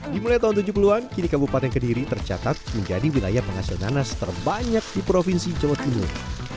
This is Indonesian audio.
dimulai tahun tujuh puluh an kini kabupaten kediri tercatat menjadi wilayah penghasil nanas terbanyak di provinsi jawa timur